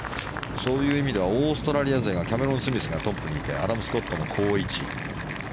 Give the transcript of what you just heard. そういう意味ではオーストラリア勢がキャメロン・スミスがトップにいてアダム・スコットも好位置。